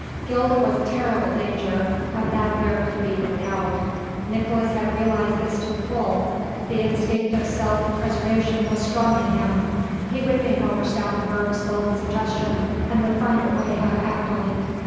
Gilda was a terrible danger, of that there could be no doubt. Nicolaes had realized this to the full: the instinct of self preservation was strong in him; he would think over Stoutenburg's bold suggestion and would find a way how to act on it.